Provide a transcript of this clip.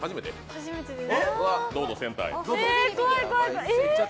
初めてです。